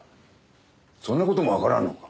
そんな事もわからんのか。